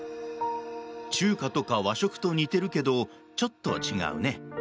中華とか和食と似てるけどちょっと違うね。